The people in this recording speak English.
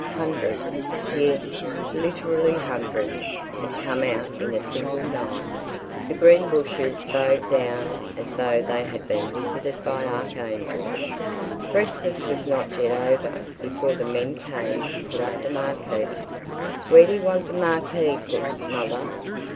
Hundreds, yes, literally hundreds, had come out in a single night; the green bushes bowed down as though they had been visited by archangels. Breakfast was not yet over before the men came to put up the marquee. "Where do you want the marquee put, mother?"